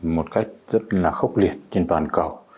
một cách rất là khốc liệt trên toàn cầu